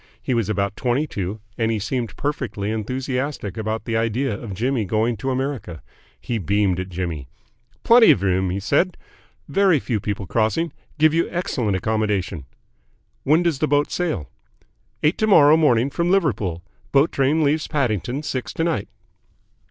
He was about twenty two, and he seemed perfectly enthusiastic about the idea of Jimmy going to America. He beamed at Jimmy. "Plenty of room," he said. "Very few people crossing. Give you excellent accommodation." "When does the boat sail?" "Eight to morrow morning from Liverpool. Boat train leaves Paddington six to night."